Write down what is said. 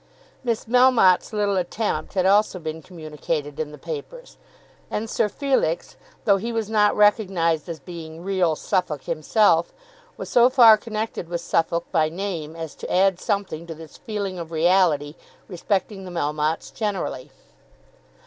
Miss Melmotte's little attempt had also been communicated in the papers; and Sir Felix, though he was not recognised as being "real Suffolk" himself, was so far connected with Suffolk by name as to add something to this feeling of reality respecting the Melmottes generally.